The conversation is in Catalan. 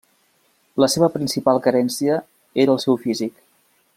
La seva principal carència era el seu físic.